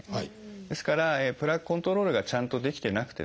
ですからプラークコントロールがちゃんとできてなくてですね